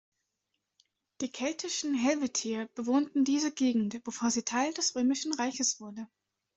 Die keltischen Helvetier bewohnten diese Gegend bevor sie Teil des römischen Reiches wurde.